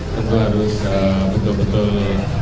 tentu harus betul betul